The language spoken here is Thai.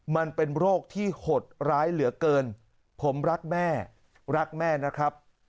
มันเป็นโรคที่หดร้ายเหลือเกินผมรักแม่รักแม่นะครับ